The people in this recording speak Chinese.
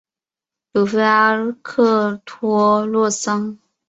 鲁菲阿克托洛桑。